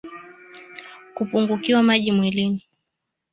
Kupungukiwa maji mwilini